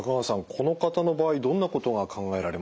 この方の場合どんなことが考えられますか？